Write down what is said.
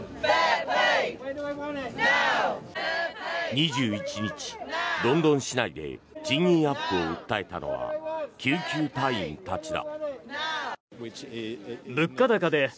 ２１日、ロンドン市内で賃金アップを訴えたのは救急隊員たちだ。